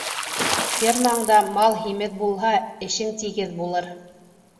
Фермаңда мал һимеҙ булһа, эшең тигеҙ булыр.